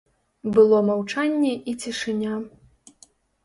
Было маўчанне і цішыня.